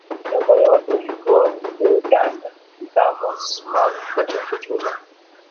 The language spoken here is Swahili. na moyo wake ulikuwa umeganda kama sumaku kwenye chuma